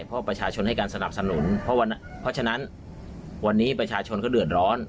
เพราะประชาชนให้การสนับสนุนเพราะฉะนั้นวันนี้ประชาชนเขาเดือดร้อน